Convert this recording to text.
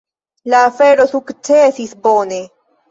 La afero sukcesis bone.